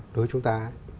đối với chúng ta